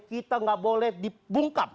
kita gak boleh dibungkam